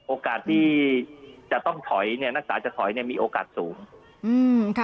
โอกาสที่จะต้องถอยนักศึกษาจะถอยมีโอกาสสูง